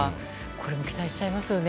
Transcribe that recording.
これも期待しちゃいますよね。